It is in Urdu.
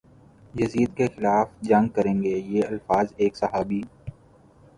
یزید کے خلاف جنگ کریں گے یہ الفاظ ایک صحابی